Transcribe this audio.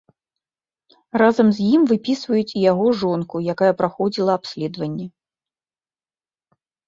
Разам з ім выпісваюць і яго жонку, якая праходзіла абследаванне.